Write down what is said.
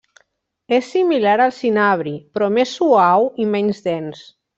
És similar al cinabri, però més suau i menys dens.